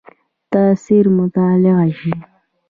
تاثیر مطالعه شي.